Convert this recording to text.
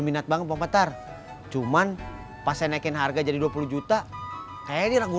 udah bang tapi kayaknya belum mau